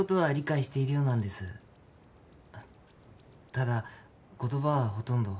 ただ言葉はほとんど。